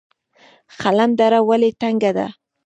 خلم دره ولې تنګه ده؟